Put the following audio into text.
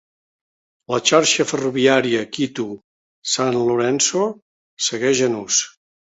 La xarxa ferroviària Quito - Sant Lorenzo segueix en ús.